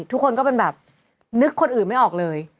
ทุกคนก็เป็นแบบนึกคนอื่นไม่ออกเลย